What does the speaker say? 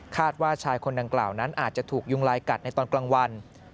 ว่าชายคนดังกล่าวนั้นอาจจะถูกยุงลายกัดในตอนกลางวัน